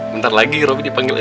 bentar lagi rok dipanggil